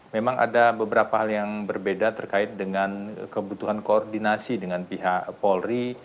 memang ada beberapa hal yang berbeda terkait dengan kebutuhan koordinasi dengan pihak polri